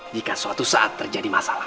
jika suatu saat terjadi masalah